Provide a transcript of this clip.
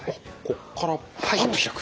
ここからパッと開く。